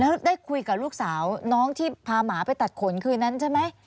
แล้วได้คุยกับลูกสาวน้องที่พาหมาไปตัดขนคืนนั้นใช่ไหม